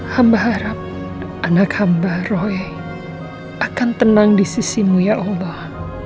hamba harap anak hamba roy akan tenang di sisimu ya allah